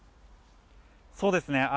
そうですね。